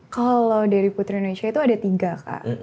kalau dari putri indonesia itu ada tiga kak